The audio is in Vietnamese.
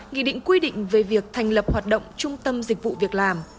nghị định quy định về việc thành lập hoạt động trung tâm dịch vụ việc làm